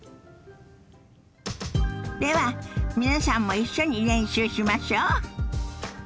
では皆さんも一緒に練習しましょ。